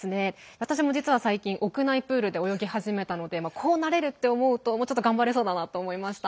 私も実は最近屋内プールで泳ぎ始めたのでこうなれるって思うともうちょっと頑張れそうだなと思いました。